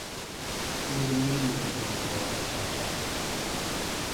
He was immediately given the role of captai.